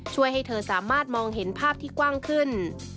ช่วยให้เธอสามารถมองเห็นภาพที่กว้างขึ้น